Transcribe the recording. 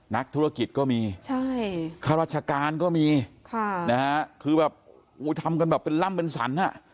นักธุรกิจก็มีค่ะราชการก็มีนะฮะคือแบบทำกันแบบเป็นล่ำเป็นสัน